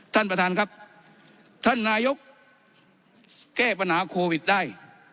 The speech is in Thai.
ท่านประธานครับท่านนายกแก้ปัญหาโควิดได้